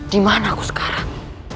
dimana aku sekarang